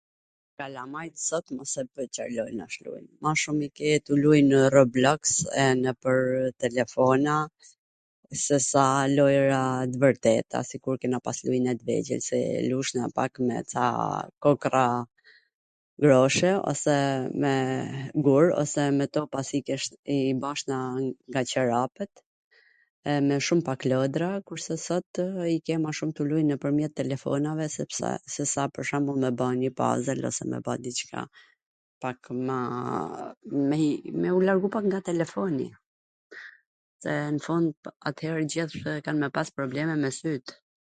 Kalamajt sot mos e pyt Car lojnash lujn! Ma shum i ke tu luj nw robloks, nwpwrw telefona sesa lojra t vwrteta sikur kena pas luj ne t vegjwl, se lujshna pak me ca kokrra groshe, ose me gur, ose me topa qw i bajshna nga Corapet, e me shum pak lodra, kurse sotw i gje tu luj ma shum nwpwrmjet telefonave, sesa pwr shwmbull me ba njw pazwl a me ba njw diCka pak ma ..., me u largu pak nga telefoni. Se nw fund, atere kan me pas probleme me syt.